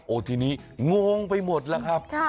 โอ้โหทีนี้งงไปหมดแล้วครับ